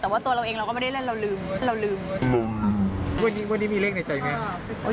แต่ว่าตัวเราเองเราก็ไม่ได้เล่นเราลืมเราลืมวันนี้วันนี้มีเลขในใจไง